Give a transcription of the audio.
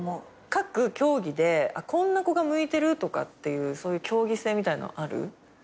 各競技でこんな子が向いてるとかっていう競技性みたいのある？